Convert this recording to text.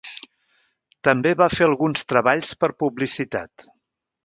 També va fer alguns treballs per publicitat.